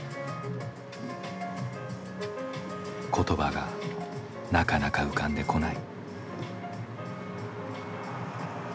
言葉がなかなか浮かんでこない。